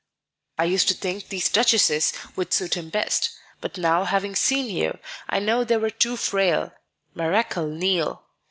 I used to think these Duchesses would suit him best; but now, having seen you, I know they were too frail, Marechal Niel."